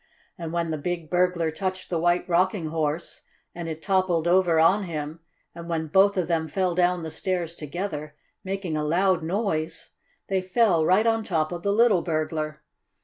And when the big burglar touched the White Rocking Horse, and it toppled over on him, and when both of them fell down the stairs together, making a loud noise, they fell right on top of the little burglar.